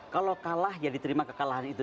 kalau kalah ya diterima kekalahan itu